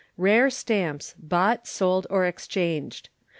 Rare Stamps Bought, Sold, or Exchanged.